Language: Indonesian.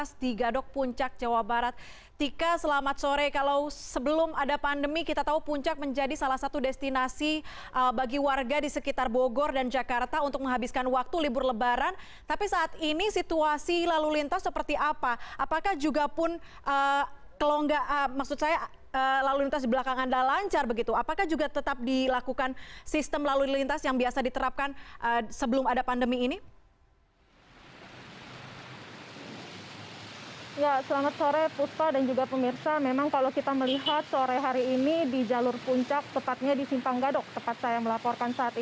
sehingga warga berhamburan keluar